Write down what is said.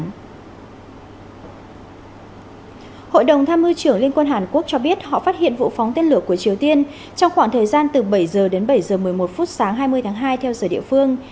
hội đồng tham mưu trưởng liên quân hàn quốc cho biết họ phát hiện vụ phóng tên lửa của triều tiên trong khoảng thời gian từ bảy h đến bảy h một mươi một phút sáng hai mươi tháng hai theo giờ địa phương